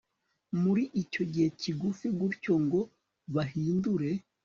muri icyo gihe kigufi gutyo ngo bahindure